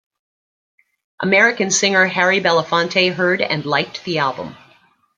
American singer Harry Belafonte heard and liked the album.